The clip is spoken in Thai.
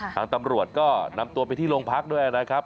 ทางตำรวจก็นำตัวไปที่โรงพักด้วยนะครับ